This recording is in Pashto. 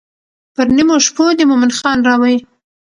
پر نیمو شپو دې مومن خان راوی.